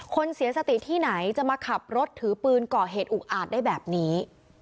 เสียสติที่ไหนจะมาขับรถถือปืนก่อเหตุอุกอาจได้แบบนี้